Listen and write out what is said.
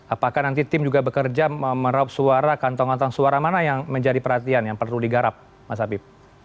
apakah nanti tim juga bekerja meraup suara kantong kantong suara mana yang menjadi perhatian yang perlu digarap mas habib